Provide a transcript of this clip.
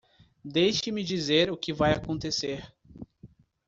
Deixe-me dizer o que vai acontecer.